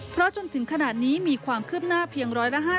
เพราะจนถึงขนาดนี้มีความคืบหน้าเพียง๑๕๐